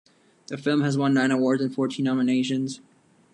The film has won nine awards and fourteen nominations.